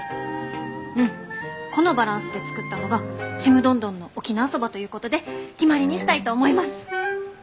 うんこのバランスで作ったのがちむどんどんの沖縄そばということで決まりにしたいと思います。